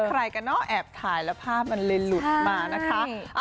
ใครกันเนอะแอบถ่ายแล้วภาพมันเลยหลุดมานะคะ